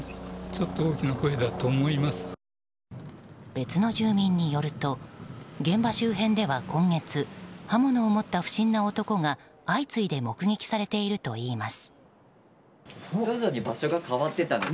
別の住民によると現場周辺では今月刃物を持った不審な男が相次いで目撃されているといいます。